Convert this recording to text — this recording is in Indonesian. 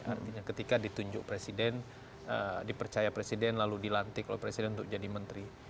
artinya ketika ditunjuk presiden dipercaya presiden lalu dilantik oleh presiden untuk jadi menteri